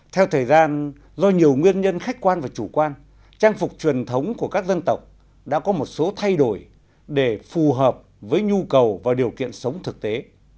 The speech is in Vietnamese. theo thời gian do nhiều nguyên nhân khách quan và chủ quan trang phục truyền thống của các dân tộc đã có một số thay đổi để phù hợp với nhu cầu và điều kiện sống thực tế